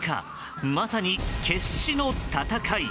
まさに決死の戦い。